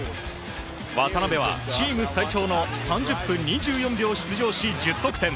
渡邊はチーム最長の３０分２４秒出場し１０得点。